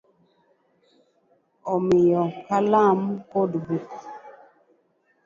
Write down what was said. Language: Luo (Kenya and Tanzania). Omiya Kalam kod buk.